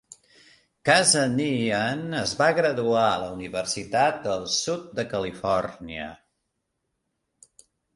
Kazanjian es va graduar a la universitat del Sud de Califòrnia.